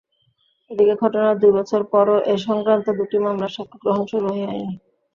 এদিকে ঘটনার দুই বছর পরও এ-সংক্রান্ত দুটি মামলার সাক্ষ্য গ্রহণ শুরুই হয়নি।